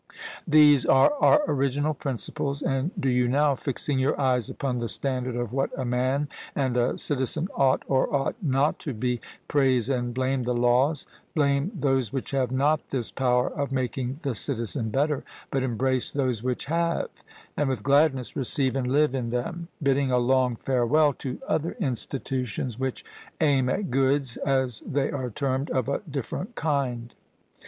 These are our original principles; and do you now, fixing your eyes upon the standard of what a man and a citizen ought or ought not to be, praise and blame the laws blame those which have not this power of making the citizen better, but embrace those which have; and with gladness receive and live in them; bidding a long farewell to other institutions which aim at goods, as they are termed, of a different kind.